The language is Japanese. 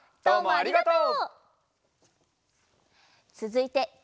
ありがとう。